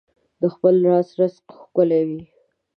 د خپل لاس رزق ښکلی وي.